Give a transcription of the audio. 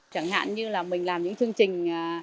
chẳng hạn như là mình làm những chương trình